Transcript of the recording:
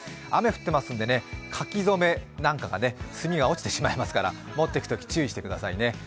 雨降ってますんで、書き初めなんかが墨が落ちてしまいますから持っていくとき注意してくださいね。